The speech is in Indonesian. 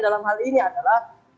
dalam hal ini adalah